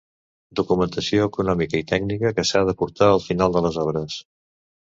Documentació econòmica i tècnica que s'ha d'aportar al final de les obres.